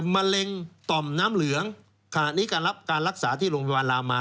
มะเร็งต่อมน้ำเหลืองขณะนี้ก็รับการรักษาที่โรงพยาบาลลามา